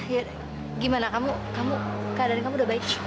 ya gimana kamu kamu keadaan kamu udah baik